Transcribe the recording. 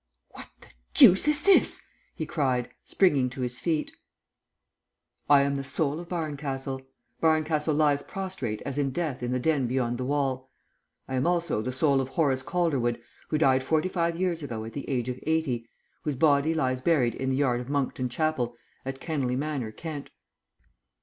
"What the deuce is this?" he cried, springing to his feet. "I am the soul of Barncastle. Barncastle lies prostrate as in death in the den beyond the wall. I am also the soul of Horace Calderwood who died forty five years ago at the age of eighty, whose body lies buried in the yard of Monckton Chapel, at Kennelly Manor, Kent."